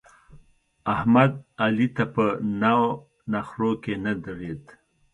احمد؛ علي ته په نو نخرو کې نه درېد.